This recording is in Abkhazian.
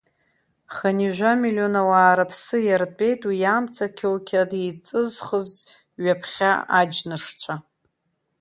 Хынҩажәа миллион ауаа рыԥсы иартәеит уи амца қьоуқьад еиҵызхыз ҩаԥхьа аџьнышцәа.